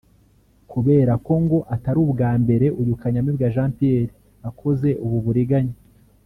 Kubera ko ngo atari ubwa mbere uyu Kanyamibwa Jean Pierre akoze ubu buriganya